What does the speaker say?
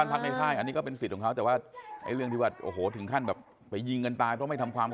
แล้วคุณดื่มเบียนในค่ายหรอ